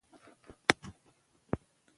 خو موږ به ئې څو دندي د نموني په ډول بيان کړو: